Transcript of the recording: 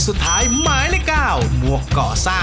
หมวกปีกดีกว่าหมวกปีกดีกว่า